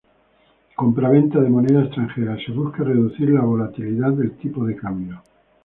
Compra-venta de moneda extranjera: Se busca reducir la volatilidad del tipo de cambio.